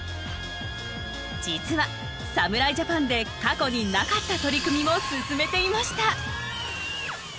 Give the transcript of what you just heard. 実は侍ジャパンで過去になかった取り組みも進めていました。